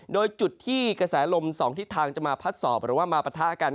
โดยจุดที่กระแสลม๒ทิศทางจะมาพัดสอบหรือว่ามาปะทะกัน